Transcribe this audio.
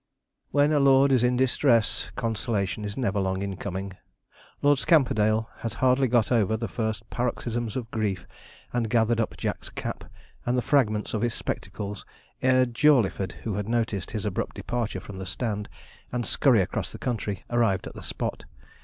When a lord is in distress, consolation is never long in coming; and Lord Scamperdale had hardly got over the first paroxysms of grief, and gathered up Jack's cap, and the fragments of his spectacles, ere Jawleyford, who had noticed his abrupt departure from the stand and scurry across the country, arrived at the spot.